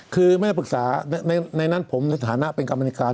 คือไม่ได้ปรึกษาในนั้นผมในฐานะเป็นกรรมนิการ